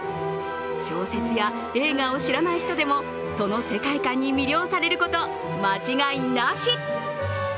小説や映画を知らない人でもその世界観に魅了されること、間違いなし。